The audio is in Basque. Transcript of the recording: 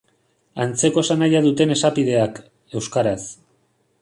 Antzeko esanahia duten esapideak, euskaraz.